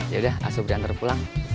yaudah asyik sobri antar pulang